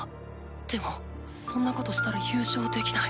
でもそんなことしたら優勝できない。